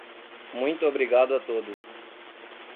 Muito obrigado a todos.